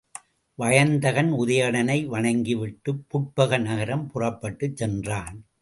வயந்தகன் உதயணனை வணங்கிவிட்டுப் புட்பக நகரம் புறப்பட்டுச் சென்றான்.